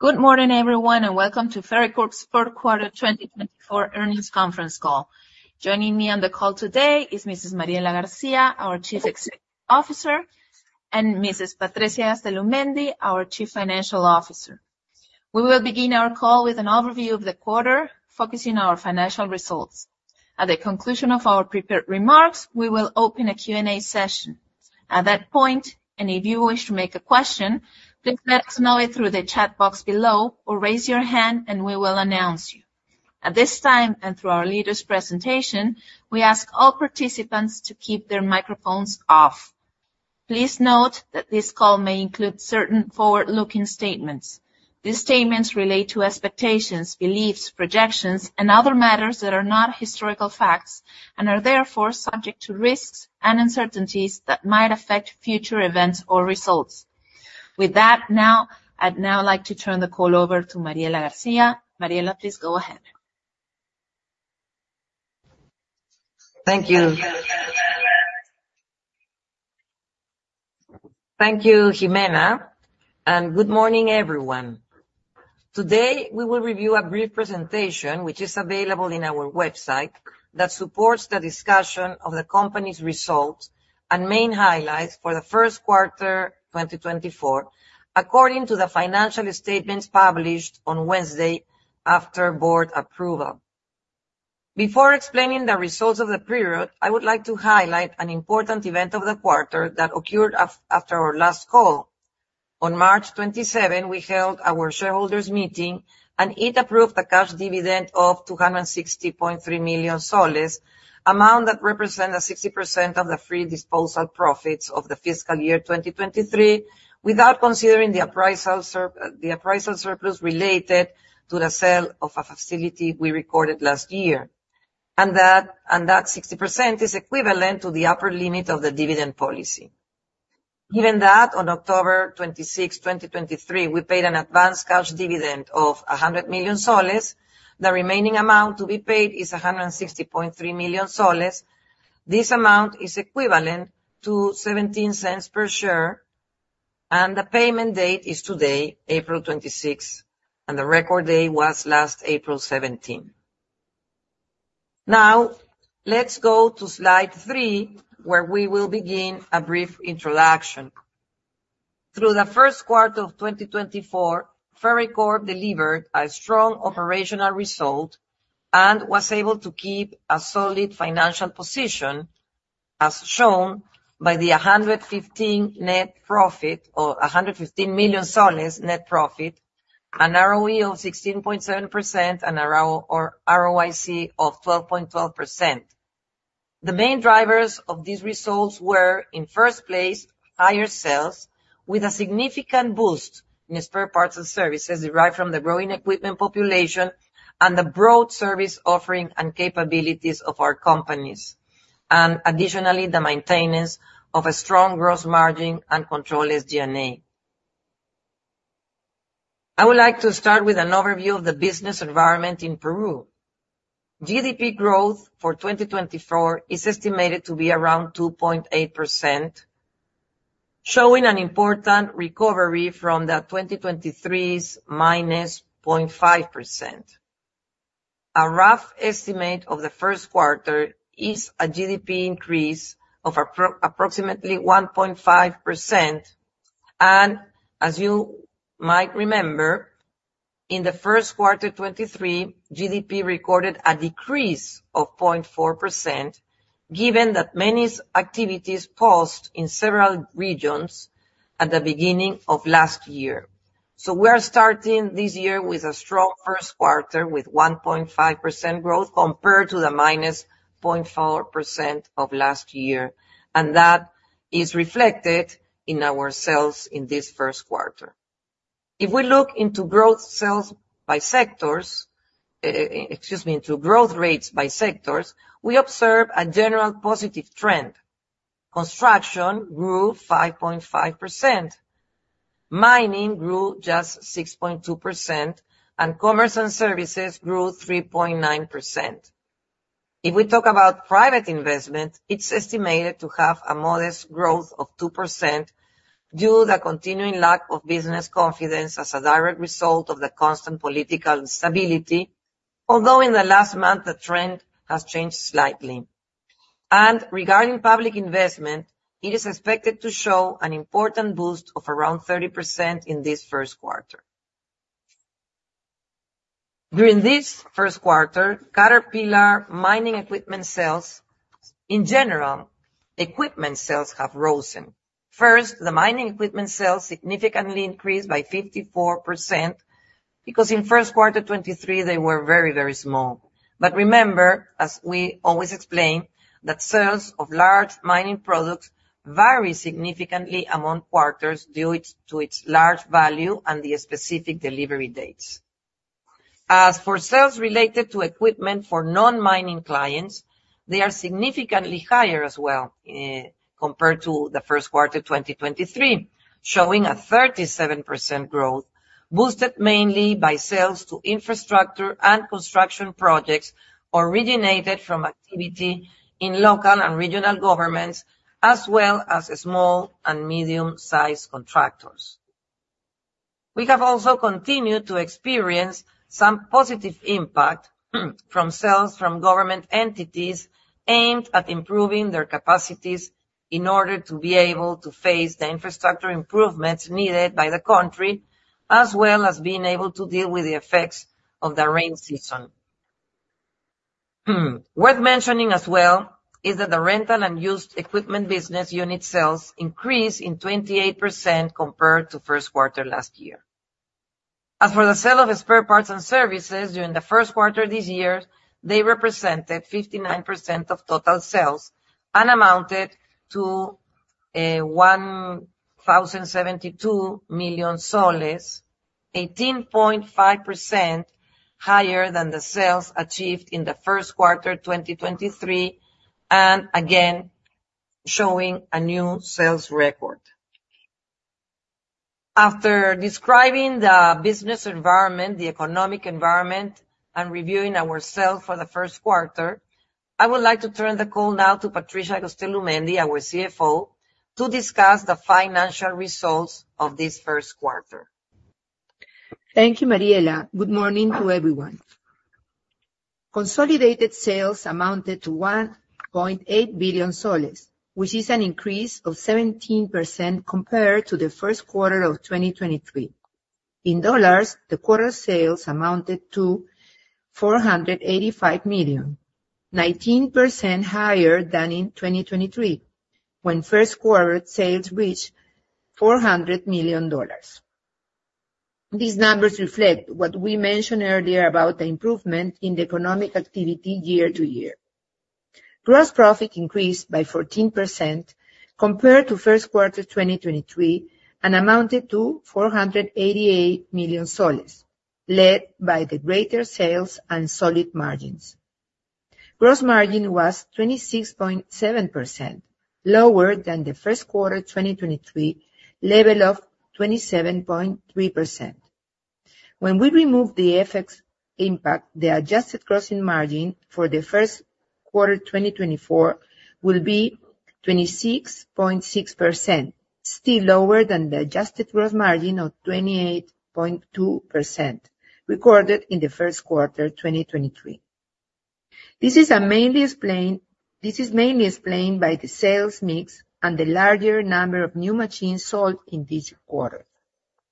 Good morning, everyone, and welcome to Ferreycorp's fourth quarter 2024 earnings conference call. Joining me on the call today is Mrs. Mariela García, our Chief Executive Officer, and Mrs. Patricia Gastelumendi, our Chief Financial Officer. We will begin our call with an overview of the quarter, focusing on our financial results. At the conclusion of our prepared remarks, we will open a Q&A session. At that point, and if you wish to make a question, please let us know it through the chat box below, or raise your hand and we will announce you. At this time, and through our leaders' presentation, we ask all participants to keep their microphones off. Please note that this call may include certain forward-looking statements. These statements relate to expectations, beliefs, projections, and other matters that are not historical facts, and are therefore subject to risks and uncertainties that might affect future events or results. With that, now, I'd now like to turn the call over to Mariela García. Mariela, please go ahead. Thank you. Thank you, Jimena, and good morning, everyone. Today, we will review a brief presentation, which is available in our website, that supports the discussion of the company's results and main highlights for the first quarter 2024, according to the financial statements published on Wednesday after board approval. Before explaining the results of the period, I would like to highlight an important event of the quarter that occurred after our last call. On March 27, we held our shareholders' meeting, and it approved a cash dividend of PEN 260.3 million, amount that represent a 60% of the free disposal profits of the fiscal year 2023, without considering the appraisal surplus related to the sale of a facility we recorded last year. That 60% is equivalent to the upper limit of the dividend policy. Given that, on October 26, 2023, we paid an advanced cash dividend of PEN 100 million. The remaining amount to be paid is PEN 160.3 million. This amount is equivalent to PEN 0.17 per share, and the payment date is today, April 26, and the record date was last April 17. Now, let's go to slide 3, where we will begin a brief introduction. Through the first quarter of 2024, Ferreycorp delivered a strong operational result and was able to keep a solid financial position, as shown by a 115 net profit, or PEN 115 million net profit, an ROE of 16.7%, and a ROIC of 12.12%. The main drivers of these results were, in first place, higher sales, with a significant boost in spare parts and services derived from the growing equipment population and the broad service offering and capabilities of our companies, and additionally, the maintenance of a strong gross margin and controlled SG&A. I would like to start with an overview of the business environment in Peru. GDP growth for 2024 is estimated to be around 2.8%, showing an important recovery from the 2023's -0.5%. A rough estimate of the first quarter is a GDP increase of approximately 1.5%, and as you might remember, in the first quarter, 2023, GDP recorded a decrease of 0.4%, given that many activities paused in several regions at the beginning of last year. So we are starting this year with a strong first quarter, with 1.5% growth, compared to the -0.4% of last year, and that is reflected in our sales in this first quarter. If we look into growth rates by sectors, excuse me, we observe a general positive trend. Construction grew 5.5%, mining grew just 6.2%, and commerce and services grew 3.9%. If we talk about private investment, it's estimated to have a modest growth of 2%, due to the continuing lack of business confidence as a direct result of the constant political instability, although in the last month, the trend has changed slightly. Regarding public investment, it is expected to show an important boost of around 30% in this first quarter. During this first quarter, Caterpillar mining equipment sales... In general, equipment sales have risen. First, the mining equipment sales significantly increased by 54%, because in first quarter 2023, they were very, very small. But remember, as we always explain, that sales of large mining products vary significantly among quarters due to its large value and the specific delivery dates. As for sales related to equipment for non-mining clients, they are significantly higher as well, compared to the first quarter 2023, showing a 37% growth, boosted mainly by sales to infrastructure and construction projects originated from activity in local and regional governments, as well as small and medium-sized contractors.... We have also continued to experience some positive impact from sales from government entities aimed at improving their capacities, in order to be able to face the infrastructure improvements needed by the country, as well as being able to deal with the effects of the rain season. Hmm, worth mentioning as well, is that the rental and used equipment business unit sales increased in 28% compared to first quarter last year. As for the sale of spare parts and services during the first quarter of this year, they represented 59% of total sales, and amounted to PEN 1,072 million, 18.5% higher than the sales achieved in the first quarter, 2023, and again, showing a new sales record. After describing the business environment, the economic environment, and reviewing our sales for the first quarter, I would like to turn the call now to Patricia Gastelumendi, our CFO, to discuss the financial results of this first quarter. Thank you, Mariela. Good morning to everyone. Consolidated sales amounted to PEN 1.8 billion, which is an increase of 17% compared to the first quarter of 2023. In dollars, the quarter sales amounted to $485 million, 19% higher than in 2023, when first quarter sales reached $400 million. These numbers reflect what we mentioned earlier about the improvement in the economic activity year-to-year. Gross profit increased by 14% compared to first quarter 2023, and amounted to PEN 488 million, led by the greater sales and solid margins. Gross margin was 26.7%, lower than the first quarter 2023 level of 27.3%. When we remove the FX impact, the adjusted gross margin for the first quarter 2024 will be 26.6%, still lower than the adjusted gross margin of 28.2%, recorded in the first quarter 2023. This is mainly explained by the sales mix and the larger number of new machines sold in this quarter.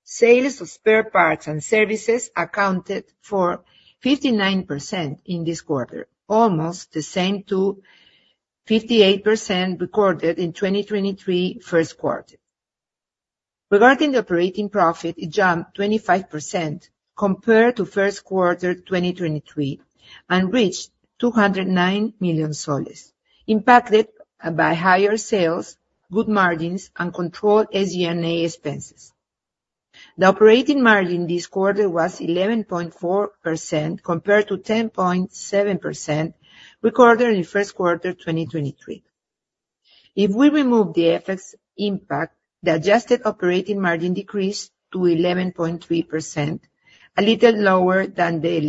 Sales of spare parts and services accounted for 59% in this quarter, almost the same to 58% recorded in 2023 first quarter. Regarding the operating profit, it jumped 25% compared to first quarter 2023, and reached PEN 209 million, impacted by higher sales, good margins, and controlled SG&A expenses. The operating margin this quarter was 11.4%, compared to 10.7%, recorded in the first quarter 2023. If we remove the FX impact, the adjusted operating margin decreased to 11.3%, a little lower than the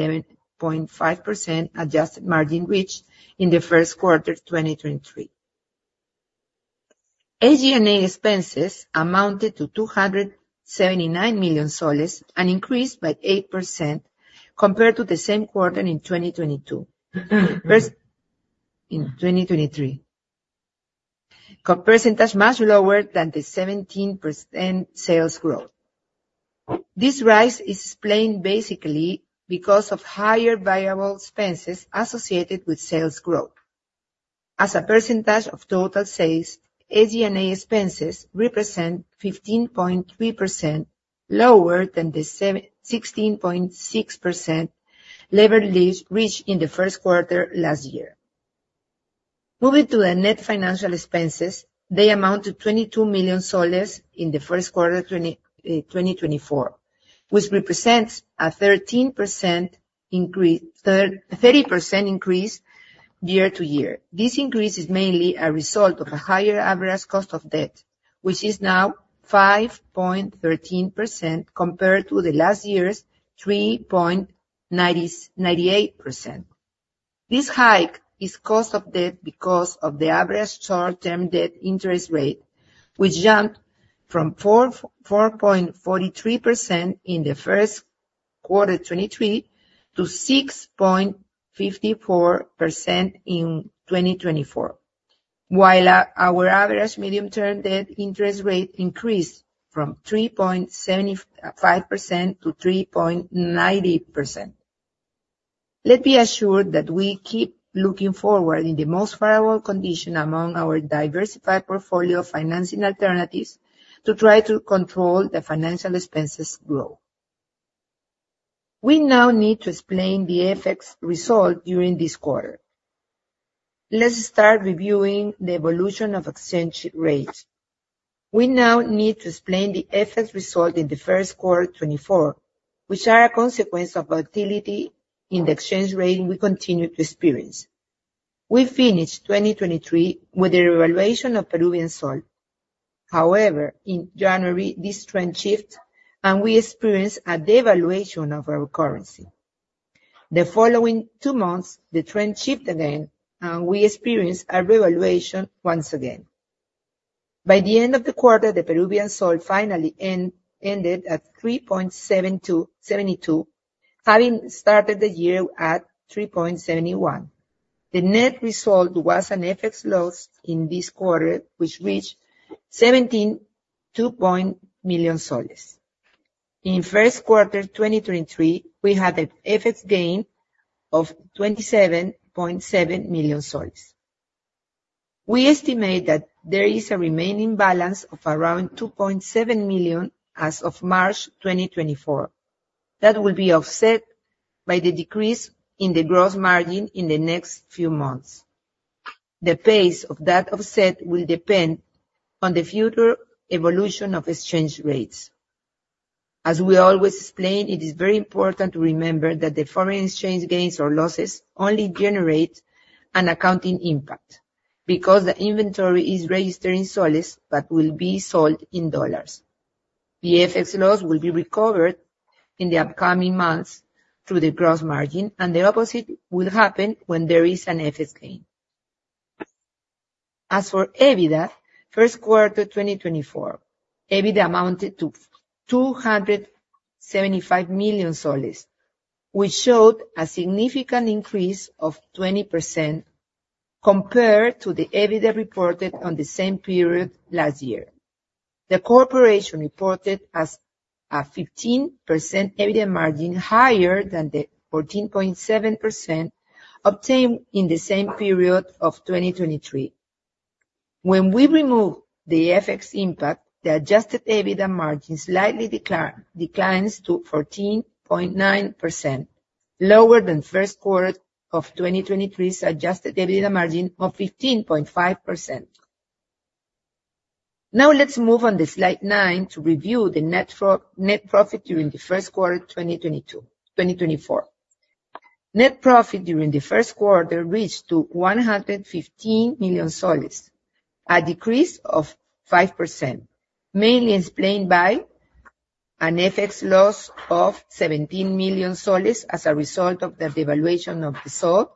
11.5% adjusted margin reached in the first quarter 2023. SG&A expenses amounted to PEN 279 million, an increase by 8% compared to the same quarter in 2022, first in 2023. A percentage much lower than the 17% sales growth. This rise is explained basically because of higher variable expenses associated with sales growth. As a percentage of total sales, SG&A expenses represent 15.3%, lower than the sixteen point six percent level reached in the first quarter last year. Moving to the net financial expenses, they amount to PEN 22 million in the first quarter 2024, which represents a thirty percent increase year to year. This increase is mainly a result of a higher average cost of debt, which is now 5.13%, compared to last year's 3.98%. This hike in cost of debt is because of the average short-term debt interest rate, which jumped from 4.43% in the first quarter 2023 to 6.54% in 2024. While our average medium-term debt interest rate increased from 3.75% to 3.90%. Let me assure that we keep looking for the most favorable conditions among our diversified portfolio of financing alternatives, to try to control the financial expenses growth. We now need to explain the FX result during this quarter. Let's start reviewing the evolution of exchange rates. We now need to explain the FX result in the first quarter 2024, which are a consequence of volatility in the exchange rate we continue to experience. We finished 2023 with the revaluation of Peruvian sol. However, in January, this trend shifted, and we experienced a devaluation of our currency. The following two months, the trend shifted again, and we experienced a revaluation once again. By the end of the quarter, the Peruvian sol finally ended at 3.72, having started the year at 3.71. The net result was an FX loss in this quarter, which reached PEN 17.2 million. In first quarter 2023, we had an FX gain of PEN 27.7 million. We estimate that there is a remaining balance of around PEN 2.7 million as of March 2024. That will be offset by the decrease in the gross margin in the next few months. The pace of that offset will depend on the future evolution of exchange rates. As we always explain, it is very important to remember that the foreign exchange gains or losses only generate an accounting impact, because the inventory is registered in soles, but will be sold in dollars. The FX loss will be recovered in the upcoming months through the gross margin, and the opposite will happen when there is an FX gain. As for EBITDA, first quarter 2024, EBITDA amounted to PEN 275 million, which showed a significant increase of 20% compared to the EBITDA reported on the same period last year. The corporation reported a 15% EBITDA margin, higher than the 14.7% obtained in the same period of 2023. When we remove the FX impact, the adjusted EBITDA margin slightly declines to 14.9%, lower than first quarter of 2023's adjusted EBITDA margin of 15.5%. Now, let's move on to slide 9 to review the net profit during the first quarter 2024. Net profit during the first quarter reached to PEN 115 million, a decrease of 5%, mainly explained by an FX loss of PEN 17 million as a result of the devaluation of the sol,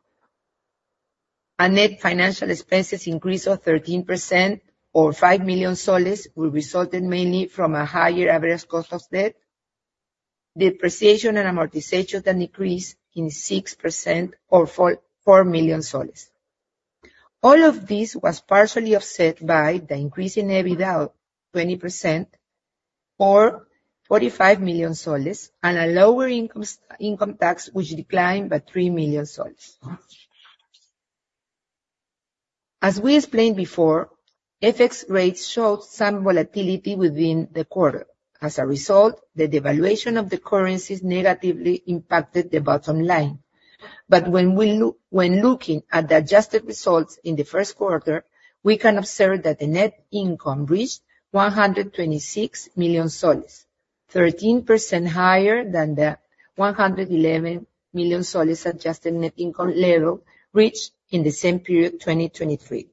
a net financial expenses increase of 13% or PEN 5 million, which resulted mainly from a higher average cost of debt, depreciation and amortization, a decrease in 6% or PEN 4 million. All of this was partially offset by the increase in EBITDA of 20%, or PEN 45 million, and a lower income tax, which declined by PEN 3 million. As we explained before, FX rates showed some volatility within the quarter. As a result, the devaluation of the currencies negatively impacted the bottom line. But when looking at the adjusted results in the first quarter, we can observe that the net income reached PEN 126 million, 13% higher than the PEN 111 million adjusted net income level reached in the same period, 2023.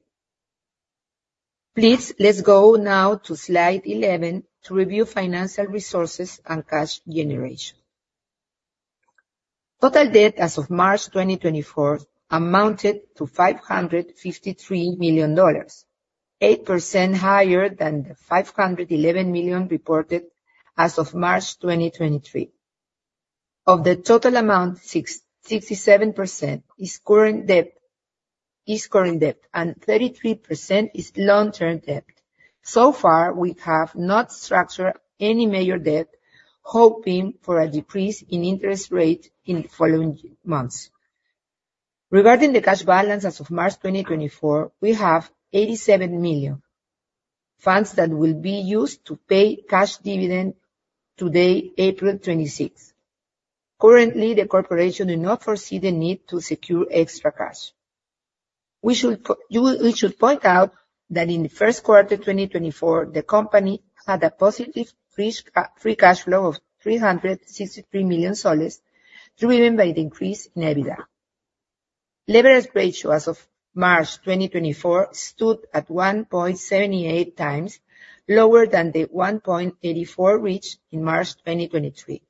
Please, let's go now to slide 11 to review financial resources and cash generation. Total debt as of March 2024 amounted to $553 million, 8% higher than the $511 million reported as of March 2023. Of the total amount, 67% is current debt, and 33% is long-term debt. So far, we have not structured any major debt, hoping for a decrease in interest rate in the following months. Regarding the cash balance as of March 2024, we have $87 million, funds that will be used to pay cash dividend today, April 26. Currently, the corporation do not foresee the need to secure extra cash. We should point out that in the first quarter 2024, the company had a positive free cash flow of PEN 363 million, driven by the increase in EBITDA. Leverage ratio as of March 2024 stood at 1.78x, lower than the 1.84 reached in March 2023.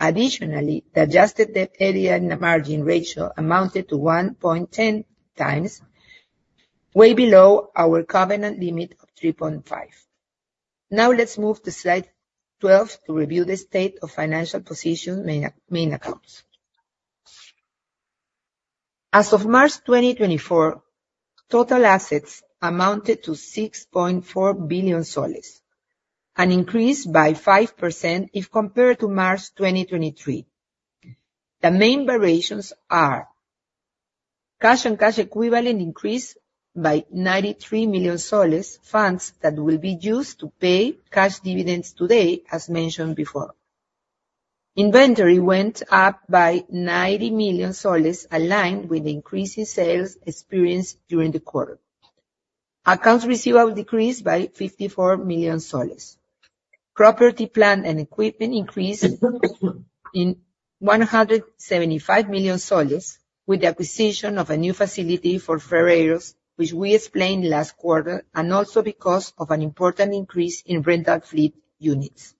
Additionally, the adjusted Debt to EBITDA ratio amounted to 1.10x, way below our covenant limit of 3.5. Now, let's move to slide 12 to review the state of financial position main accounts. As of March 2024, total assets amounted to PEN 6.4 billion, an increase by 5% if compared to March 2023. The main variations are: cash and cash equivalent increased by PEN 93 million, funds that will be used to pay cash dividends today, as mentioned before. Inventory went up by PEN 90 million, aligned with the increase in sales experienced during the quarter. Accounts receivable decreased by PEN 54 million. Property, plant, and equipment increased in PEN 175 million with the acquisition of a new facility for Ferreyros, which we explained last quarter, and also because of an important increase in rental fleet units.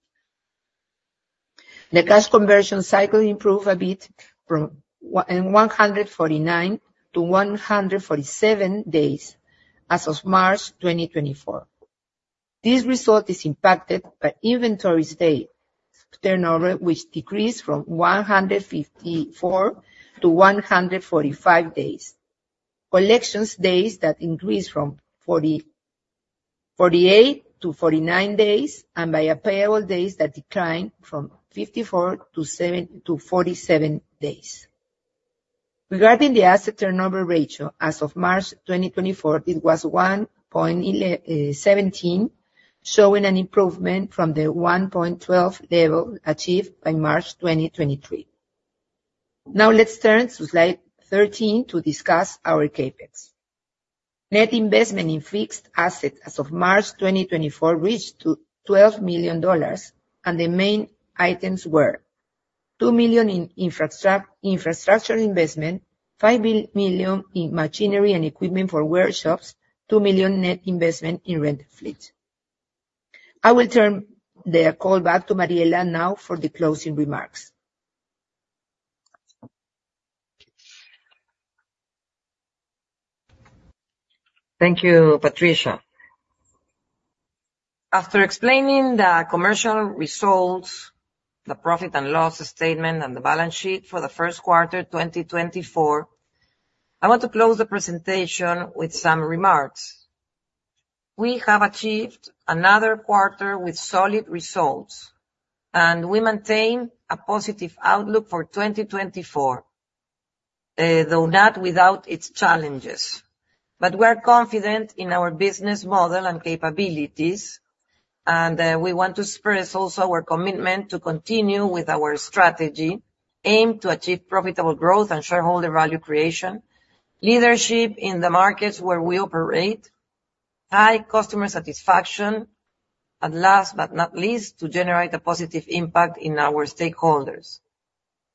The cash conversion cycle improved a bit from 149 days to 147 days as of March 2024. This result is impacted by inventory's day turnover, which decreased from 154 days to 145 days. Collections days, that increased from 48 to 49 days, and by payable days that declined from 54 to 47 days. Regarding the asset turnover ratio, as of March 2024, it was 1.17, showing an improvement from the 1.12 level achieved by March 2023. Now, let's turn to slide 13 to discuss our CapEx. Net investment in fixed asset as of March 2024 reached to $12 million, and the main items were: $2 million in infrastructure investment, $5 million in machinery and equipment for workshops, $2 million net investment in rental fleet. I will turn the call back to Mariela now for the closing remarks. Thank you, Patricia. After explaining the commercial results, the profit and loss statement, and the balance sheet for the first quarter, 2024, I want to close the presentation with some remarks. We have achieved another quarter with solid results, and we maintain a positive outlook for 2024, though not without its challenges. But we're confident in our business model and capabilities, and, we want to express also our commitment to continue with our strategy, aim to achieve profitable growth and shareholder value creation, leadership in the markets where we operate, high customer satisfaction, and last but not least, to generate a positive impact in our stakeholders.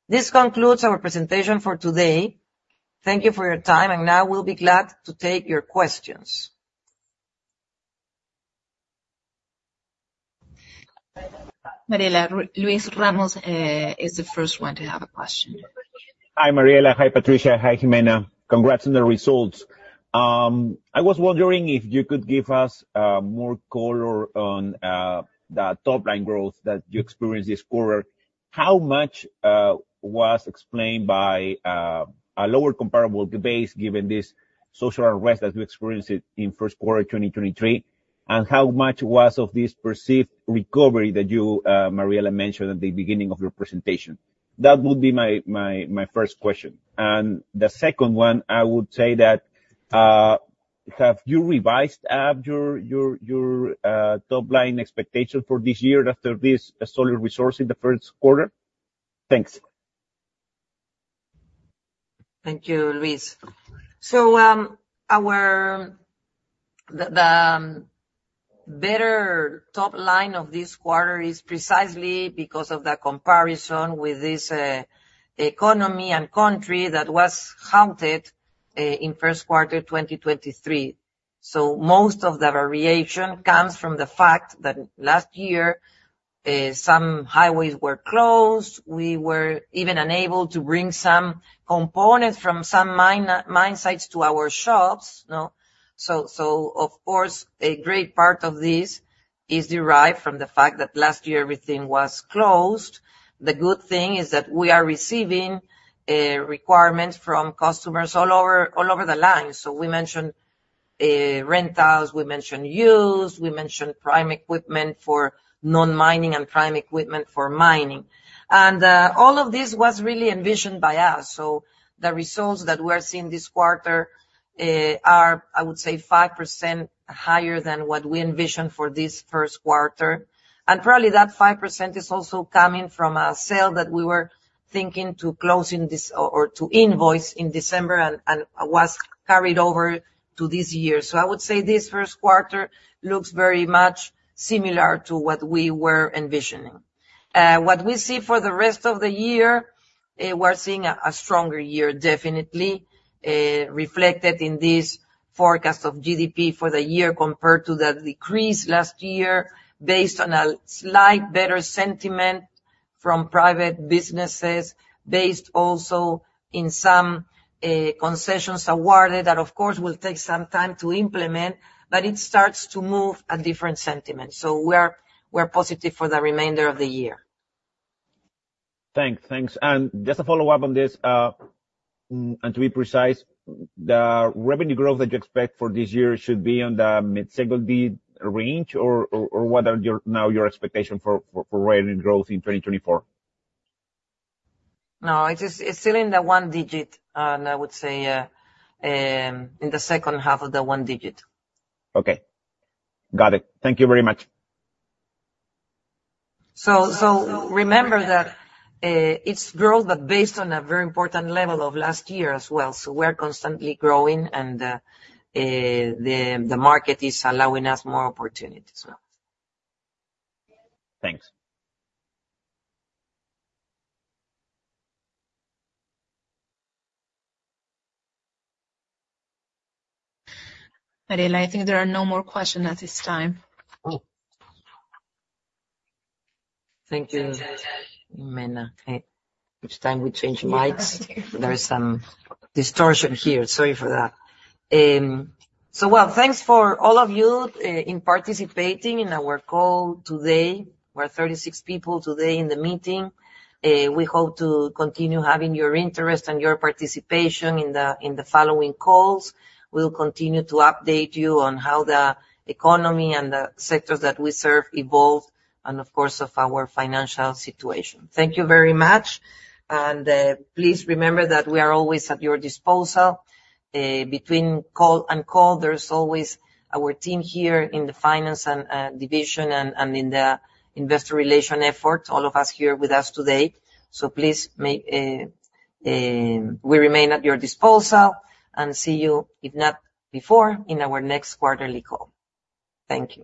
This concludes our presentation for today. Thank you for your time, and now we'll be glad to take your questions. Mariela, Luis Ramos is the first one to have a question. Hi, Mariela. Hi, Patricia. Hi, Jimena. Congrats on the results. I was wondering if you could give us more color on the top-line growth that you experienced this quarter. How much was explained by a lower comparable base, given this social unrest as you experienced it in first quarter 2023? And how much was of this perceived recovery that you, Mariela, mentioned at the beginning of your presentation? That would be my first question. And the second one, I would say that have you revised your top-line expectation for this year after this solid results in the first quarter? Thanks. Thank you, Luis. So, our better top line of this quarter is precisely because of the comparison with this economy and country that was halted in first quarter 2023. So most of the variation comes from the fact that last year some highways were closed. We were even unable to bring some components from some mine sites to our shops, no? So, of course, a great part of this is derived from the fact that last year everything was closed. The good thing is that we are receiving requirements from customers all over the line. So we mentioned rentals, we mentioned used, we mentioned prime equipment for non-mining and prime equipment for mining. All of this was really envisioned by us, so the results that we are seeing this quarter are, I would say, 5% higher than what we envisioned for this first quarter. Probably that 5% is also coming from a sale that we were thinking to close in this or to invoice in December and was carried over to this year. I would say this first quarter looks very much similar to what we were envisioning. What we see for the rest of the year, we're seeing a stronger year, definitely, reflected in this forecast of GDP for the year compared to the decrease last year, based on a slight better sentiment from private businesses, based also in some concessions awarded, that of course, will take some time to implement, but it starts to move a different sentiment. So we're positive for the remainder of the year. Thanks, thanks. And just a follow-up on this, and to be precise, the revenue growth that you expect for this year should be on the mid-single digit range or what are your expectation for revenue growth in 2024? No, it is, it's still in the one digit, and I would say, in the second half of the one digit. Okay. Got it. Thank you very much. So remember that, it's growth, but based on a very important level of last year as well. So we're constantly growing, and the market is allowing us more opportunities as well. Thanks. Mariela, I think there are no more questions at this time. Oh, thank you, Jimena. Okay. Each time we change mics, there is some distortion here. Sorry for that. So well, thanks for all of you in participating in our call today. We're 36 people today in the meeting. We hope to continue having your interest and your participation in the following calls. We'll continue to update you on how the economy and the sectors that we serve evolve, and of course, our financial situation. Thank you very much, and please remember that we are always at your disposal. Between call and call, there is always our team here in the finance and division and in the investor relation effort, all of us here with us today. So please make... We remain at your disposal, and see you, if not before, in our next quarterly call. Thank you.